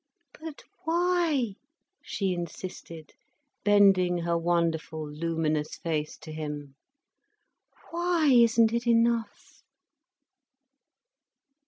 But why?" she insisted, bending her wonderful luminous face to him. "Why isn't it enough?"